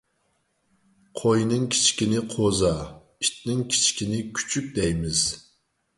قوينىڭ كىچىكىنى قوزا، ئىتنىڭ كىچىكىنى كۈچۈك دەيمىز.